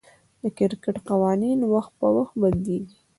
د کرکټ قوانين وخت پر وخت بدليږي.